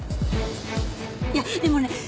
いやでもね